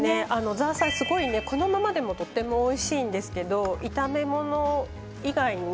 ザーサイ、このままでもとてもおいしいんですけど炒め物以外に